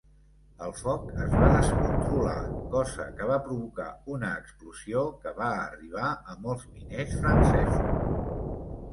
El foc es va descontrolar, cosa que va provocar una explosió que va arribar a molts miners francesos.